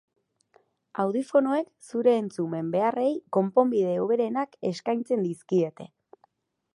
Audifonoek zure entzumen beharrei konponbide hoberenak eskaintzen dizkiete.